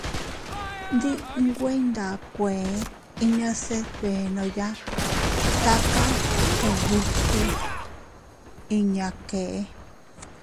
Ndi nweiyndakueʼe inña se dbenoya taka kubikuu iña keʼe.